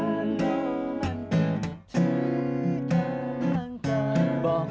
ปรากฏการณ์แซนโรแมนติก